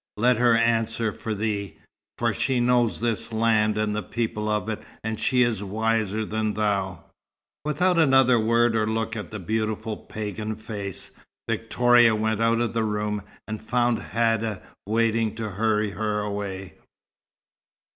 Let her answer for thee, for she knows this land and the people of it, and she is wiser than thou." Without another word or look at the beautiful pagan face, Victoria went out of the room, and found Hadda waiting to hurry her away.